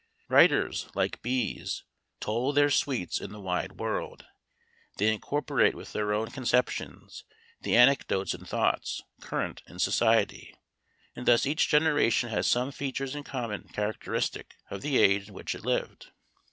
Writers, like bees, toll their sweets in the wide world; they incorporate with their own conceptions, the anecdotes and thoughts current in society; and thus each generation has some features in common, characteristic of the age in which it lives.